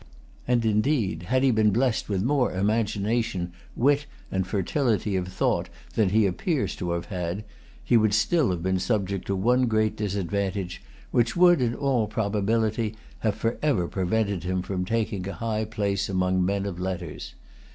And, indeed, had he been blessed with more imagination, wit, and fertility of thought than he appears to have had, he would still have been subject to one great disadvantage, which would, in all probability, have forever prevented him from taking a high place among men of letters.